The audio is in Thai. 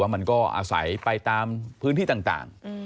มันก็อาศัยไปตามพื้นที่ต่าง